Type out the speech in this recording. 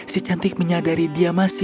si cantik mencintai sang monster